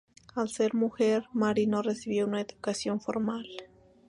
Al ser mujer, Mary no recibió una educación formal.